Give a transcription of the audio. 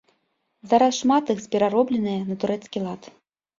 Зараз шмат з іх пераробленыя на турэцкі лад.